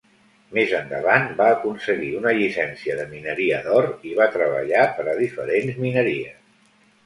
Més endavant va aconseguir una llicència de mineria d'or i va treballar per a diferents mineries.